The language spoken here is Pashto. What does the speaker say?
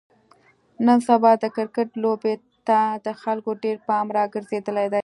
نن سبا د کرکټ لوبې ته د خلکو ډېر پام راگرځېدلی دی.